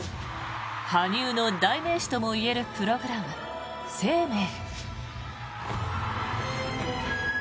羽生の代名詞ともいえるプログラム「ＳＥＩＭＥＩ」。